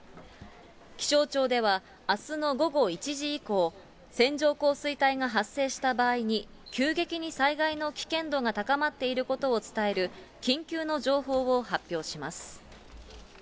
気象庁では、あすの午後１時以降、線状降水帯が発生した場合に、急激に災害の危険度が高まっていることを伝える、緊急の情報を発表します。